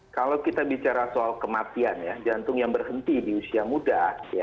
kalau kita bicara soal kematian ya jantung yang berhenti di usia muda